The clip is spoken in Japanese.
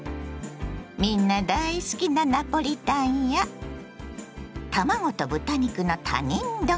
みんな大好きなナポリタンや卵と豚肉の他人丼。